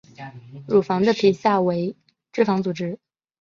乳房的皮下为脂肪组织。